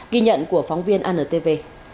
ghi nhận của phóng viên antv